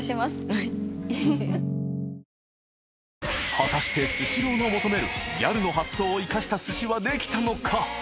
［果たしてスシローの求めるギャルの発想を生かしたすしはできたのか？］